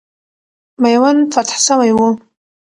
میوند فتح سوی وو.